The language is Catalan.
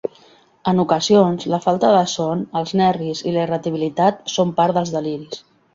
En ocasions, la falta de son, els nervis i la irritabilitat són part dels deliris.